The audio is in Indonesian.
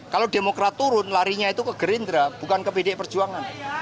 kalau demokrat turun larinya itu ke gerindra bukan ke pdi perjuangan